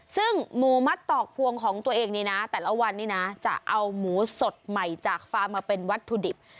ซึ่งหมูมัดตอกพวงของตัวเองนี่นะแต่ละวันนี้นะจะเอาหมูสดใหม่จากฟาร์มมาเป็นวัตถุดิบ